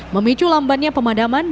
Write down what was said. memicu lambannya pemadaman